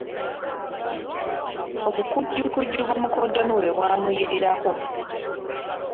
Obukujjukujju bwa mukoddomi we bwamuyirirako.